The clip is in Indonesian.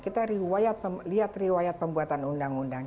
kita riwayat lihat riwayat pembuatan undang undang